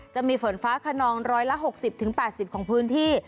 จะมีฝนฟ้าขนอง๑๖๐๘๐ของพื้นที่